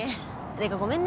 てかごめんね。